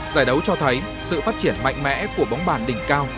giải đấu cho thấy sự phát triển mạnh mẽ của bóng bàn đỉnh cao